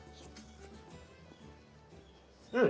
うん。